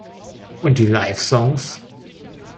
Und die Live-Songs?